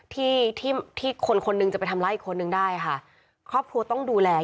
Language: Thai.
ที่ที่คนคนหนึ่งจะไปทำร้ายอีกคนนึงได้ค่ะครอบครัวต้องดูแล